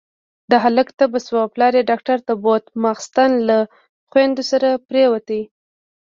د هلک تبه شوه، پلار يې ډاکټر ته بوت، ماسختن له خويندو سره پرېووت.